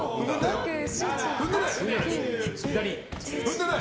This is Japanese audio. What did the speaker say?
踏んでない！